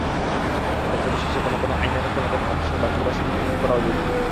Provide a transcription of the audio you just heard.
ক্ষেত্রবিশেষে কোনো কোনো আইনের কোনো কোনো অংশ বাতিল বা সংযোজন করাও জরুরি।